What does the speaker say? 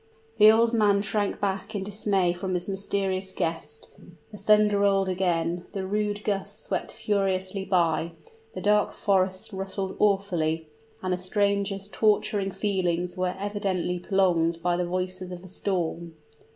The old man shrank back in dismay from his mysterious guest: the thunder rolled again, the rude gust swept fiercely by, the dark forest rustled awfully, and the stranger's torturing feelings were evidently prolonged by the voices of the storm.